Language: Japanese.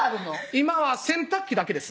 今は洗濯機だけです